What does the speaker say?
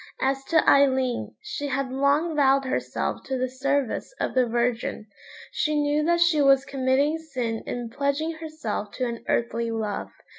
As to Aileen, she had long vowed herself to the service of the Virgin. She knew that she was committing sin in pledging herself to an earthly love.